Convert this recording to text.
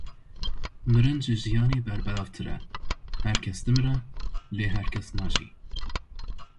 Mirin ji jiyanê berbelavtir e, her kes dimire, lê her kes najî.